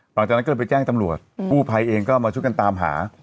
หลังจากนั้นก็เลยไปแจ้งตำรวจกู้ภัยเองก็มาช่วยกันตามหา